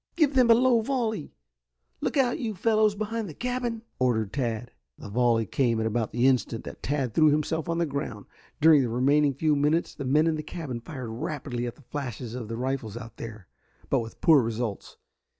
"Give them a low volley. Look out, you fellows behind the cabin," ordered Tad. The volley came at about the instant that Tad threw himself on the ground. During the remaining few minutes the men in the cabin fired rapidly at the flashes of the rifles out there, but with poor results.